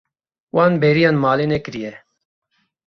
Wan bêriya malê nekiriye.